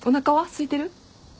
すいてる？